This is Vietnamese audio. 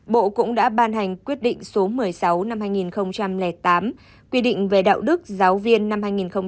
bộ cũng đã ban hành quyết định số một mươi sáu năm hai nghìn tám quy định về đạo đức giáo viên năm hai nghìn một mươi